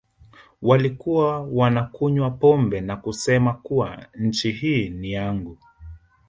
Walikuwa wanakunywa pombe na kusema kuwa nchi hii ni yangu